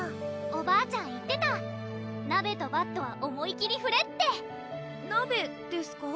おばあちゃん言ってた「鍋とバットは思い切りふれ」って鍋ですか？